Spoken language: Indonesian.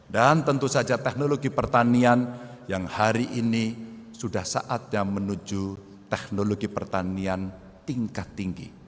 dan tentu saja teknologi pertanian yang hari ini sudah saatnya menuju teknologi pertanian tingkat tinggi